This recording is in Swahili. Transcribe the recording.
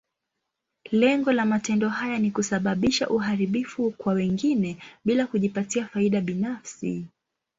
Lengo la matendo haya ni kusababisha uharibifu kwa wengine, bila kujipatia faida binafsi.